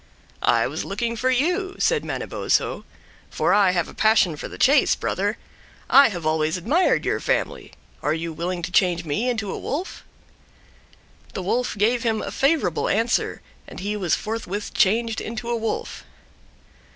"I was looking for you," said Manabozho. "For I have a passion for the chase, brother. I always admired your family; are you willing to change me into a wolf?" The Wolf gave him a favorable answer, and he was forthwith changed into a wolf.